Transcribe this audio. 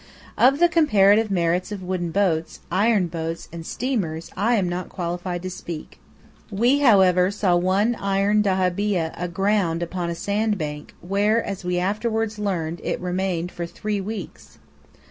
Of the comparative merits of wooden boats, iron boats, and steamers, I am not qualified to speak. We, however, saw one iron dahabeeyah aground upon a sandbank, where, as we afterwards learned, it remained for three weeks.